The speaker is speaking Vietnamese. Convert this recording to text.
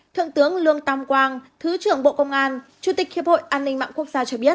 thượng tướng lương tam quang thứ trưởng bộ công an chủ tịch hiệp hội an ninh mạng quốc gia cho biết